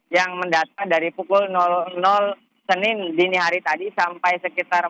yang mendatang dari pukul di hari tadi sampai sekitar empat belas